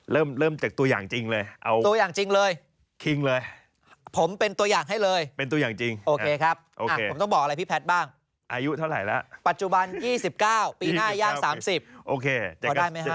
๑๙ปีหน้าย่าง๓๐พอได้ไหมฮะ